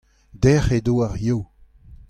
dec'h edo ar Yaou.